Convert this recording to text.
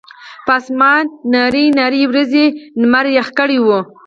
پۀ اسمان نرۍ نرۍ وريځې نمر يخ کړے وو